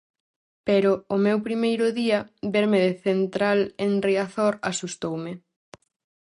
Pero, o meu primeiro día, verme de central en Riazor, asustoume.